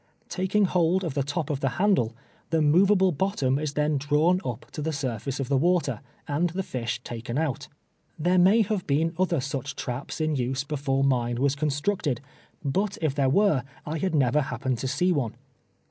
Taking hold of the top of the handle, the movable bottom is then drawn up to the surface of the water, and the fish taken out. Tliere may have been other such traps in use before mine was constructed, but if there were I had never happened to see one.